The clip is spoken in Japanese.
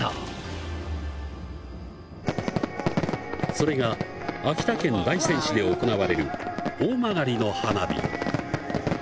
それが、秋田県大仙市で行われる大曲の花火。